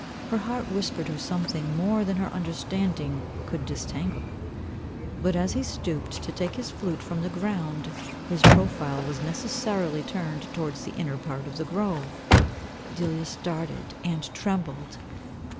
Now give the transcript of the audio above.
Her heart whispered her something more than her understanding could disentangle. But as he stooped to take his flute from the ground his profile was necessarily turned towards the inner part of the grove. Delia started and trembled.